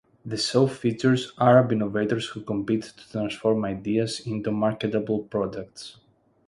The show features Arab innovators who compete to transform ideas into marketable products.